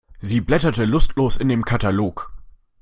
Sie blätterte lustlos in dem Katalog.